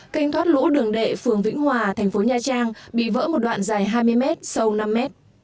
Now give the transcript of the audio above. kênh thoát lũ đường đệ phường vĩnh hòa thành phố nha trang bị vỡ một đoạn dài hai mươi m sâu năm mét